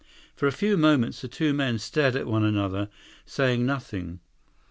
For a few moments the two men stared at one another, saying nothing.